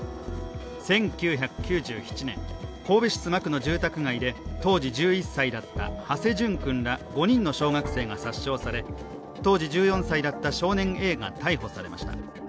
１９９７年、神戸市須磨区の住宅街で当時１１歳だった土師淳君ら５人の小学生が殺傷され、当時１４歳だった少年Ａが逮捕されました。